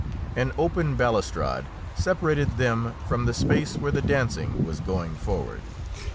An open balustrade separated them from the space where the dancing was going forward.